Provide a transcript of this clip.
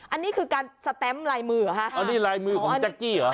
อันนี้คือการสแตมปลายมือเหรอฮะอ๋อนี่ลายมือของแจ๊กกี้เหรอ